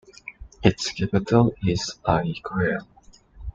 Its capital is Aiquile.